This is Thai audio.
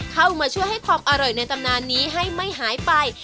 เข้ามาช่วยให้ความอร่อยในตำนานนี้ให้ไม่หายไป